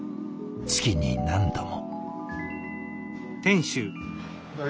月に何度も。